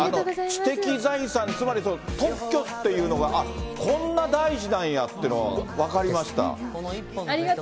知的財産、つまり特許っていうのが、あっ、こんな大事なんやっていうの、分かりました。